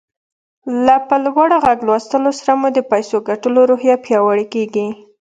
له په لوړ غږ لوستلو سره مو د پيسو ګټلو روحيه پياوړې کېږي.